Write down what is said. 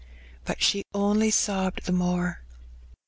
Bat she only sobbed the more.